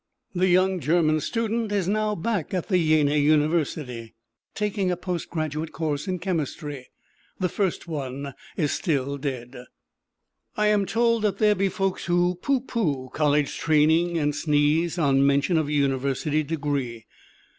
The young German student is now back at the Jena university, taking a post graduate course in chemistry the first one is still dead. I am told that there be folks who pooh pooh college training and sneeze on mention of a University degree.